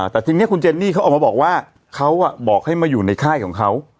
แต่ทีนี้คุณเจนนี่เขาออกมาบอกว่าเขาบอกให้มาอยู่ในค่ายของเขา